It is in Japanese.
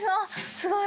すごい！